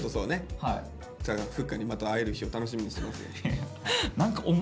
フッカにまた会える日を楽しみにしてますよ。